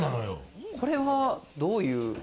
これはどういう？